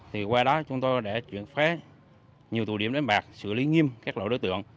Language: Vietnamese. thì qua đó chúng tôi đã chuyển phát nhiều tù điểm đánh bạc xử lý nghiêm các lộ đối tượng